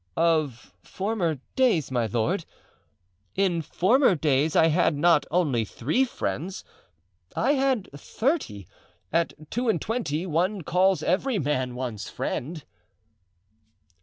"Of former days, my lord! In former days I had not only three friends, I had thirty; at two and twenty one calls every man one's friend."